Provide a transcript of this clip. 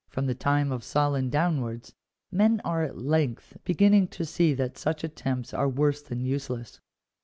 from the time of Solon downwards, men ore at length be ginning to see that such attempts are worse than useless.